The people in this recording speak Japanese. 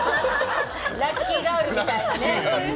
ラッキーガールみたいなね。